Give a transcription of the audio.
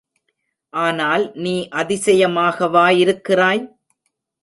ஆனால் நீ அதிசயமாகவா இருக்கிறாய்?